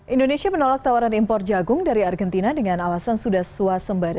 indonesia menolak tawaran impor jagung dari argentina dengan alasan sudah suasembada